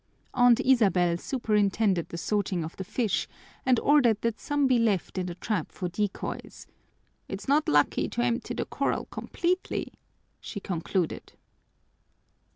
Aunt Isabel superintended the sorting of the fish and ordered that some be left in the trap for decoys. "It's not lucky to empty the corral completely," she concluded.